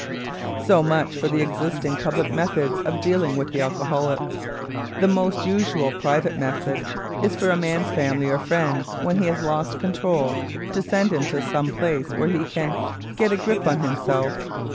So much for the existing public methods of dealing with the alcoholic. The most usual private method is for a man's family or friends, when he has lost control, to send him to some place where he can "get a grip on himself."